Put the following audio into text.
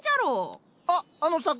あっあの桜？